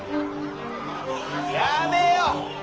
やめよ。